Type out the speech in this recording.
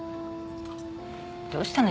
どうしたの？